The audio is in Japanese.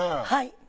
はい。